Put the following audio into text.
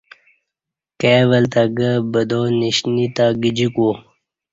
کای ولتہ گہ بدا ن شنی تہ گجیکو